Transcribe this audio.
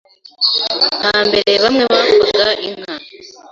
Hambere bamwe bakwaga inka,